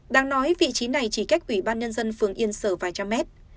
đang nói vị trí này chỉ cách ủy ban nhân dân phường yên sở vài trăm mét